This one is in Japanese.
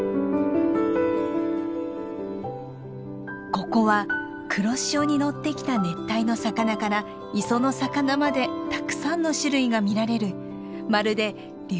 ここは黒潮に乗ってきた熱帯の魚から磯の魚までたくさんの種類が見られるまるで竜